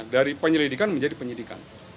dari penyelidikan menjadi penyidikan